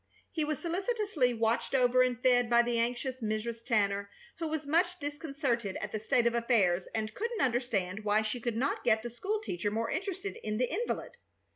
He was solicitously watched over and fed by the anxious Mrs. Tanner, who was much disconcerted at the state of affairs, and couldn't understand why she could not get the school teacher more interested in the invalid.